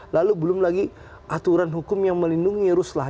lalu belum lagi aturan hukum yang melindungi ruslah